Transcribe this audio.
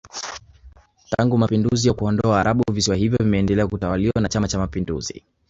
Tangu Mapinduzi ya kuwaondoa waarabu visiwa hivyo vimeendelea kutawaliwa na chama cha mapinduzi